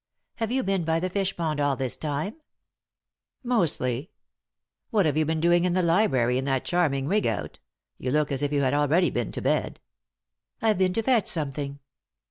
" Have you been by the fishpond all this time ?"" Mostly. What hare you been doing in the library in that charming rig out ? You look as if you had already been to bed." " I've been to fetch something."